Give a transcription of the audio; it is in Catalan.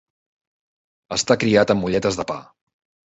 Estar criat amb molletes de pa.